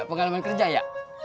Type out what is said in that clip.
pengalaman kerja ya